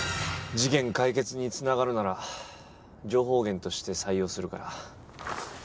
事件解決につながるなら情報源として採用するから。